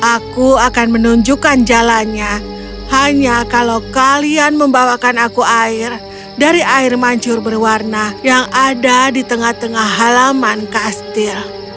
aku akan menunjukkan jalannya hanya kalau kalian membawakan aku air dari air mancur berwarna yang ada di tengah tengah halaman kastil